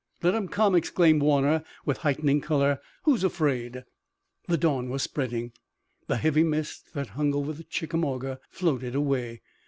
"Let 'em come!" exclaimed Warner, with heightening color. "Who's afraid?" The dawn was spreading. The heavy mists that hung over the Chickamauga floated away.